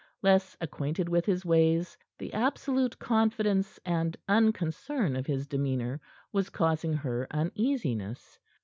Less acquainted with his ways, the absolute confidence and unconcern of his demeanor was causing her uneasiness.